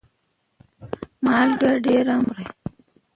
مالګه ډيره مه خوره